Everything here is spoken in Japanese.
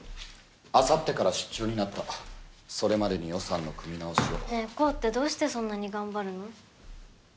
あさってから出張になったそれまでに予算の組み直しをねぇ煌ってどうしてそんなに頑張るの？